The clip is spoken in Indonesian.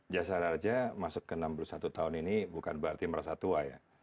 jasa raja masuk ke enam puluh satu tahun ini bukan berarti merasa tua ya